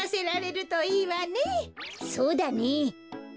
そうだね。